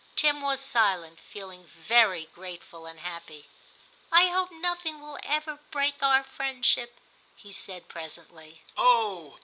Tim was silent, feeling very grateful and happy. ' I hope nothing will ever break our friendship,' he said presently. * Oh